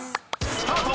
スタート！］